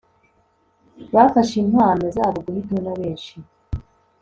Bafashe impano zabo guhitamo na benshi